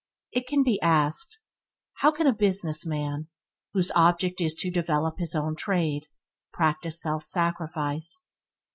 It may be asked, "How can a business man; whose object is to develop his own trade, practice self sacrifice?"